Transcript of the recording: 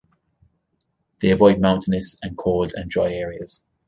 They avoid mountainous and cold and dry areas.